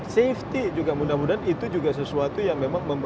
safety juga mudah mudahan itu juga sesuatu yang memang